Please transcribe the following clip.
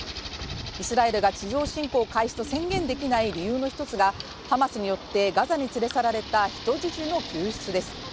イスラエル軍が地上侵攻を開始と宣言できない背景にはハマスによってガザに連れ去られた人質の救出です。